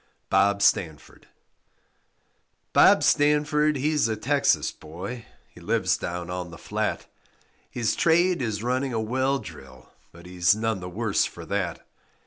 BOB STANFORD Bob Stanford, he's a Texas boy, He lives down on the flat; His trade is running a well drill, But he's none the worse for that.